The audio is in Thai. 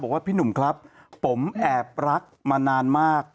พี่หนุ่มครับผมแอบรักมานานมาก